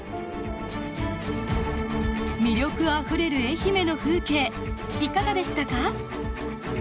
魅力あふれる愛媛の風景いかがでしたか？